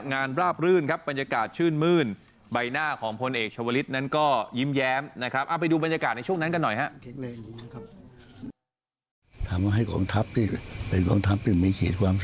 ราบรื่นครับบรรยากาศชื่นมื้นใบหน้าของพลเอกชาวลิศนั้นก็ยิ้มแย้มนะครับ